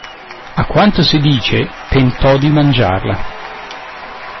A quanto si dice "tentò di mangiarla".